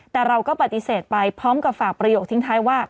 แต่เราก็ปฏิเสธไปพร้อมกับฝากประโยคทิ้งท้ายว่า